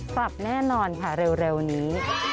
ปรับแน่นอนค่ะเร็วนี้